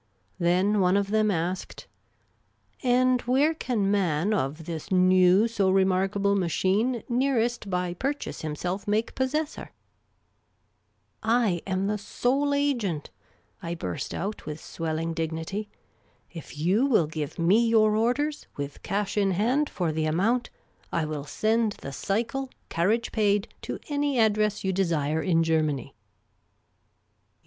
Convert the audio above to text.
Then one of them asked, " And where can man of this new so remarkable machine nearest by pur chase himself make possessor ?"" I am the Sole Agent," I burst out, with swelling dignity. " If you will give me your orders, with cash in hand for the o o u A. [/) H Z ♦• I02 Miss Cayley's Adventures amount, I will send the C3'cle, carriage paid, to any address you desire in Germany."